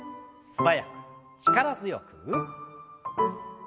素早く力強く。